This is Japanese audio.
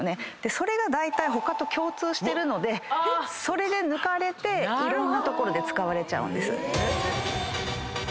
それがだいたい他と共通してるのでそれで抜かれていろんな所で使われちゃうんです。